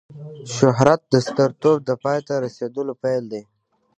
شهرت د سترتوب د پای ته رسېدلو پیل دی.